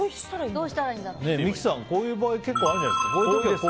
三木さん、こういう場合結構あるんじゃないですか。